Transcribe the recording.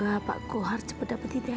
apa semua bisa